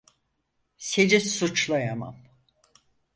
Seni suçlayamam.